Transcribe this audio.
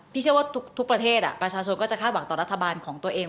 เชื่อว่าทุกประเทศประชาชนก็จะคาดหวังต่อรัฐบาลของตัวเอง